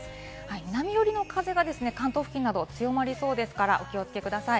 南よりの風が関東付近など強まりそうですから、お気をつけください。